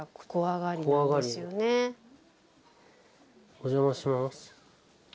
お邪魔します。